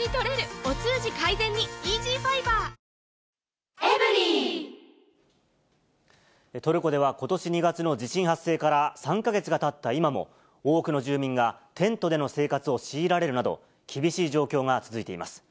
三井不動産トルコではことし２月の地震発生から３か月がたった今も、多くの住民がテントでの生活を強いられるなど、厳しい状況が続いています。